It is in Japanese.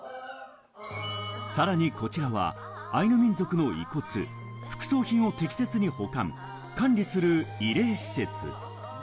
さらにこちらはアイヌ民族の遺骨・副葬品を適切に保管・管理する慰霊施設。